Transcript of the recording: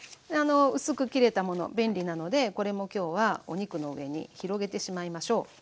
薄く切れたもの便利なのでこれも今日はお肉の上に広げてしまいましょう。